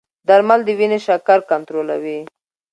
درمل د وینې شکر کنټرولوي.